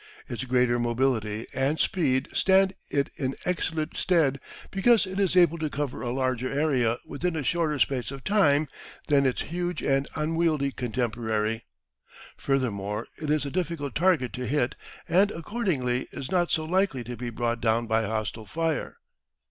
Its greater mobility and speed stand it in excellent stead because it is able to cover a larger area within a shorter space of time than its huge and unwieldy contemporary. Furthermore, it is a difficult target to hit and accordingly is not so likely to be brought down by hostile fire.